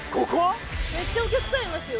めっちゃお客さんいますよ。